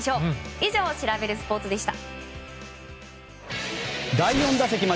以上シラベルスポーツ！でした。